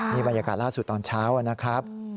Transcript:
นี่บรรยากาศล่าสุดตอนเช้านะครับ